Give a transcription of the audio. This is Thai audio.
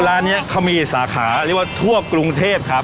ร้านนี้เขามีสาขาเรียกว่าทั่วกรุงเทพครับ